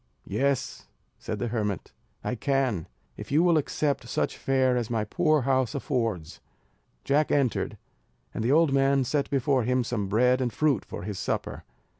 "Yes," said the hermit, "I can, if you will accept such fare as my poor house affords." Jack entered, and the old man set before him some bread and fruit for his supper.